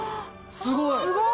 すごい！